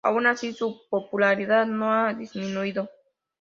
Aun así, su popularidad no ha disminuido.